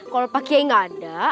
kalau pak kiayi gak ada